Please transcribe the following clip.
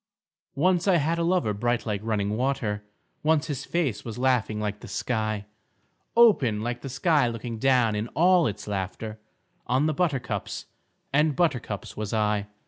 Once I had a lover bright like running water, Once his face was laughing like the sky; Open like the sky looking down in all its laughter On the buttercups and buttercups was I.